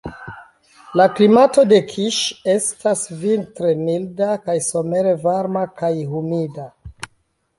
La klimato de Kiŝ estas vintre milda kaj somere varma kaj humida.